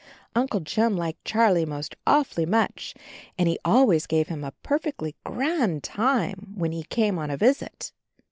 Uncle Jim liked Charlie most awfully much and he always gave him a perfectly grand time whenever he came on a visit.